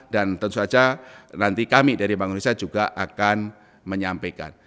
dan tentu saja nanti kami dari bank indonesia juga akan menyampaikan